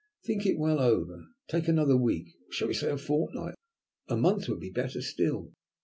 Think it well over. Take another week, or shall we say a fortnight? A month would be better still."